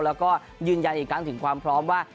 แล้วก็ยืนยันอีกครั้งถึงความพร้อมว่า